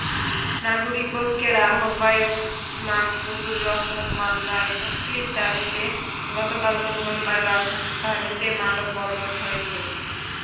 নাগরিক ঐক্যের আহ্বায়ক মাহমুদুর রহমান মান্নার মুক্তির দাবিতে গতকাল মঙ্গলবার রাজধানীতে মানববন্ধন হয়েছে।